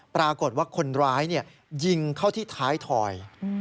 ปรากฏว่าคนร้ายยิงเข้าที่ท้ายถอย